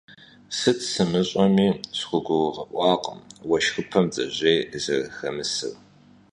Сыт сымыщӀэми схугурыгъэӀуакъым уэшхыпсым бдзэжьей зэрыхэмысыр.